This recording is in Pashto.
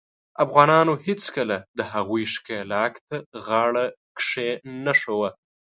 افغانانو هیڅکله د هغوي ښکیلاک ته غاړه کښېنښوده.